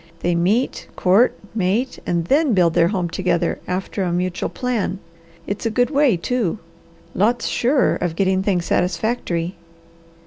They meet, court, mate, and THEN build their home together after a mutual plan. It's a good way, too! Lots surer of getting things satisfactory."